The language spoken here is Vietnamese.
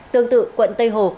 tương tự quận tây hồ